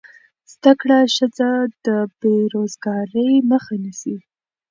زده کړه ښځه د بېروزګارۍ مخه نیسي.